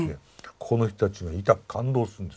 ここの人たちがいたく感動するんです。